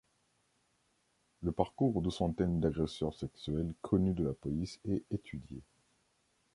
Le parcours de centaines d'agresseurs sexuels connus de la police est étudié.